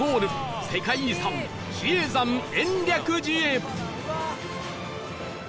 世界遺産比叡山延暦寺へ